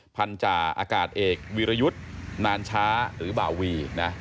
พันธาอากาศเอกวิรยุทธ์นานช้าหรือบ่าวีนะ